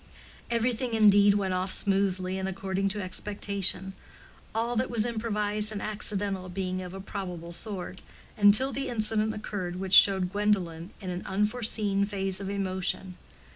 Everything indeed went off smoothly and according to expectation—all that was improvised and accidental being of a probable sort—until the incident occurred which showed Gwendolen in an unforeseen phase of emotion.